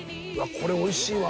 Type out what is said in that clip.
これおいしいわ！